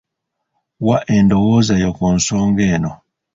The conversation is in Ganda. Wa endowooza yo ku nsonga eno.